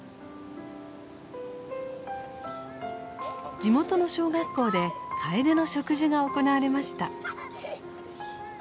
地元の小学校でカエデの植樹が行われました。